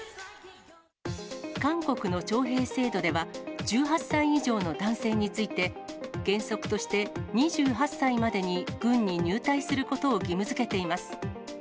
韓国の徴兵制度では、１８歳以上の男性について、原則として２８歳までに軍に入隊することを義務づけています。